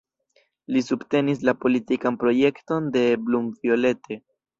Li subtenis la politikan projekton de Blum-Violette.